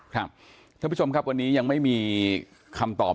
ท่านผู้ชมครับวันนี้ยังไม่มีคำตอบ